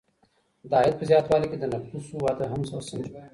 د عاید په زیاتوالي کي د نفوس وده هم وسنجوئ.